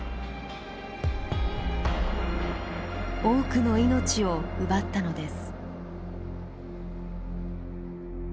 多くの命を奪ったのです。